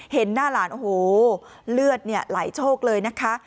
เห็นหน้าหลานโอ้โหเลือดไหลโชคเลยนะคะ